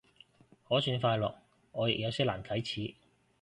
可算快樂，我亦有些難啟齒